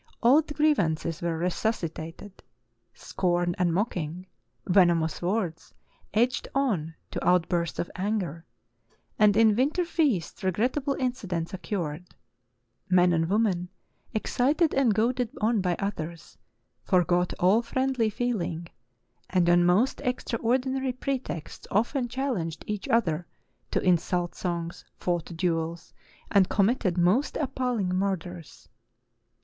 Old grievances were resuscitated; scorn and mocking, venomous words egged on to outbursts of anger; and in winter feasts regrettable incidents occurred. Men and women, ex cited and goaded on by others, forgot all friendly feel ing, and on most extraordinary pretexts often chal lenged each other to insult songs, fought duels, and committed most appalHng murders."